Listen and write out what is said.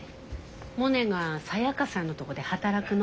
モネがサヤカさんのとこで働くの。